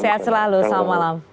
sehat selalu selamat malam